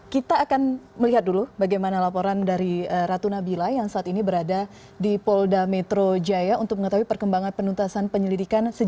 kita akan melihat dulu bagaimana laporan dari ratu nabila yang saat ini berada di polda metro jaya untuk mengetahui perkembangan penuntasan penyelidikan